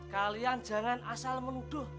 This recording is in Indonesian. kalian jangan asal menuduh